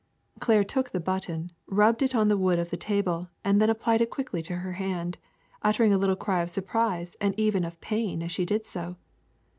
'' Claire took the button, rubbed it on the wood of the table, and then applied it quickly to her hand, uttering a little cry of surprise and even of pain as she did so.